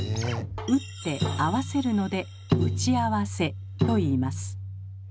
「打って」「合わせる」ので「打ち合わせ」と言います。